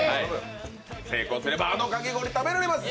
成功すればあのかき氷食べられます！